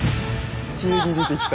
急に出てきた。